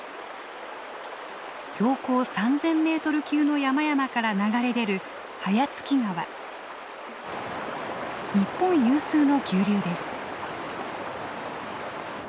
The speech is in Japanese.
標高３，０００メートル級の山々から流れ出る日本有数の急流です。